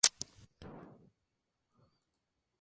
Los cielos rasos son de viguería y tablazón de madera.